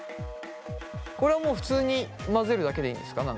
これはもう普通に混ぜるだけでいいんですか？